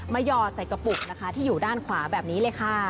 หย่อใส่กระปุกนะคะที่อยู่ด้านขวาแบบนี้เลยค่ะ